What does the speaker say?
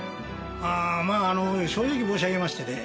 まああの正直申し上げましてね。